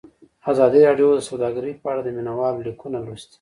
ازادي راډیو د سوداګري په اړه د مینه والو لیکونه لوستي.